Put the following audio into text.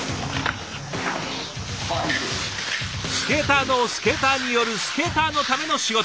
スケーターのスケーターによるスケーターのための仕事。